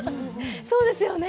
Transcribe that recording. そうですよね